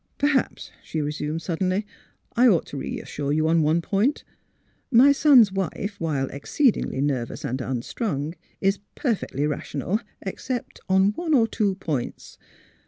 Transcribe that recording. '' Perhaps," she resumed, suddenly, " I ought to reassure you on one point : my son's wife, while exceedingly nervous and unstrung, is perfectly ra tional except on one or two points.